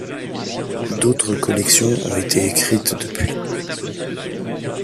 D'autres collections ont été écrites depuis.